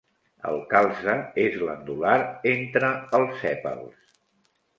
El calze és glandular entre els sèpals.